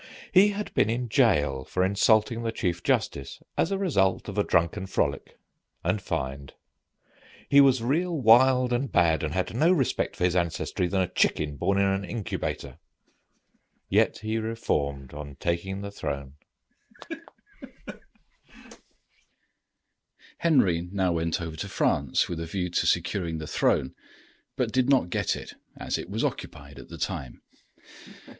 He had been in jail for insulting the chief justice, as a result of a drunken frolic and fine. He was real wild and bad, and had no more respect for his ancestry than a chicken born in an incubator. Yet he reformed on taking the throne. [Illustration: HENRY V. HAD ON ONE OCCASION BEEN COMMITTED TO PRISON.] Henry now went over to France with a view to securing the throne, but did not get it, as it was occupied at the time.